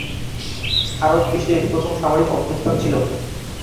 আরব বিশ্বে এটি প্রথম সামরিক অভ্যুত্থান ছিল।